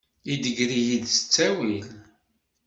Idegger-iyi-d s ttawil.